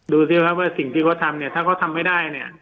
ดูสิครับว่าสิ่งที่เขาทำถ้าเขาทำไม่ได้